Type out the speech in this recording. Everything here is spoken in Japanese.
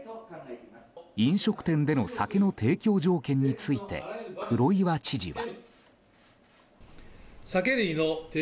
飲食店での酒の提供条件について黒岩知事は。